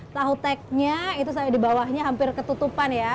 tahu teknya itu sampai di bawahnya hampir ketutupan ya